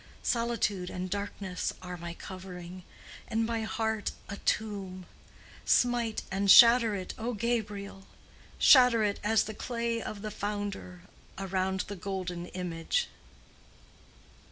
Solitude and darkness are my covering, And my heart a tomb; Smite and shatter it, O Gabriel! Shatter it as the clay of the founder Around the golden image."